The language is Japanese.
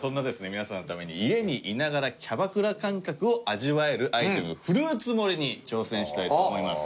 皆さんのために家にいながらキャバクラ感覚を味わえるアイテムフルーツ盛りに挑戦したいと思います。